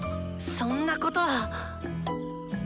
そんなこと！